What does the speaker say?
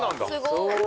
すごい。